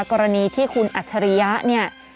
กรณีที่คุณอัชยา